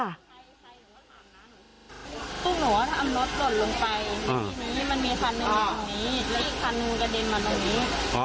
พวกหนูว่าทำรถหล่นลงไปมันมีคาหนูตรงนี้แล้วอีกคาหนูกระเด็นมาตรงนี้